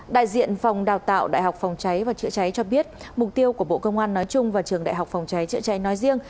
đại diện phòng đào tạo đại học phòng cháy và chữa cháy cho biết mục tiêu của bộ công an nói chung và trường đại học phòng cháy chữa cháy nói riêng